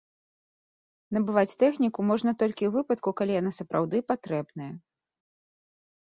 Набываць тэхніку можна толькі ў выпадку, калі яна сапраўды патрэбная.